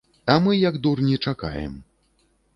А мы, як дурні, чакаем.